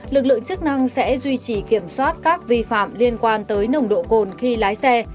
lực lượng chức năng sẽ duy trì kiểm soát các vi phạm liên quan tới nồng độ cồn khi lái xe